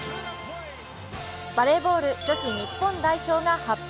バレーボール、女子日本代表が発表。